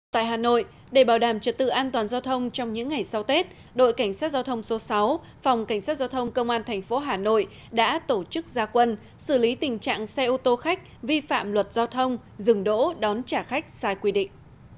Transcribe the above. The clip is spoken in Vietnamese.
tại hà nội để bảo đảm trật tự an toàn giao thông trong những ngày sau tết đội cảnh sát giao thông số sáu phòng cảnh sát giao thông công an thành phố hà nội đã tổ chức gia quân xử lý tình trạng xe ô tô khách vi phạm luật giao thông dừng đỗ đón trả khách sai quy định